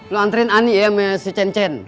lo antriin ani ya sama si cen cen